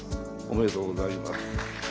おめでとうございます。